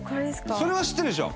それは知ってるでしょ？